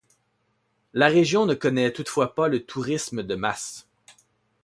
La région ne connaît toutefois pas le tourisme de masse.